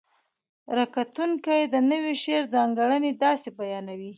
ره کتونکي د نوي شعر ځانګړنې داسې بیانوي: